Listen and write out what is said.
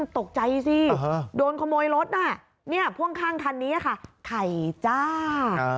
ตกใจสิโดนขโมยรถน่ะเนี่ยพ่วงข้างคันนี้ค่ะไข่จ้า